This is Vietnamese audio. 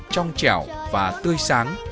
trong trẻo và tươi sáng